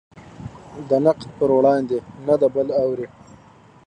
د نقد پر وړاندې نه د بل اوري.